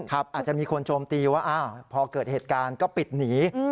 อาจจะมีคนโจมตีว่าพอเกิดเหตุการณ์ก็ปิดหนี